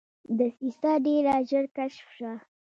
دسیسه ډېره ژر کشف شوه.